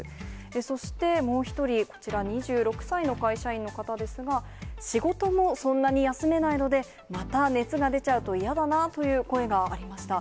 そしてもう１人、こちら２６歳の会社員の方ですが、仕事もそんなに休めないので、また熱が出ちゃうと嫌だなという声がありました。